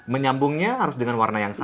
menyambungnya harus dengan warna yang sama